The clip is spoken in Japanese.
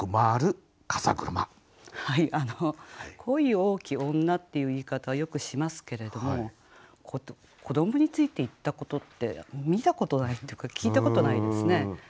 「恋多き女」っていう言い方はよくしますけれども子どもについて言ったことって見たことないというか聞いたことないですね。